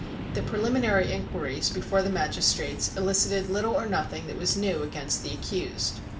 The preliminary inquiries before the magistrates elicited little or nothing that was new against the accused.